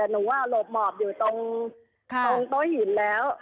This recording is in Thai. แต่หนูโหลบหมอบอยู่ตรงต้นหินแล้ว